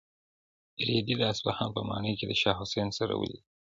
رېدي د اصفهان په ماڼۍ کې د شاه حسین سره ولیدل.